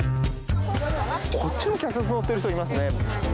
こっちも脚立に乗ってる人がいますね。